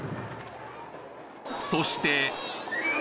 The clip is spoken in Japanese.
そして